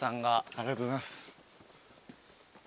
ありがとうございます。